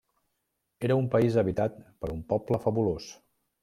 Era un país habitat per un poble fabulós.